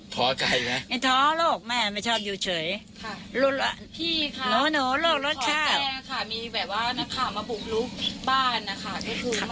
ท้อใกล้ไหมท้อโรคแม่ไม่ชอบอยู่เฉยพี่ค่ะหนูหนูโรครถข้าวขอแจค่ะมีแบบว่านะคะมาบุกรุกบ้านนะคะ